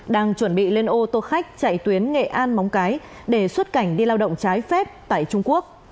đang chuẩn bị lên ô tô khách chạy tuyến nghệ an móng cái để xuất cảnh đi lao động trái phép tại trung quốc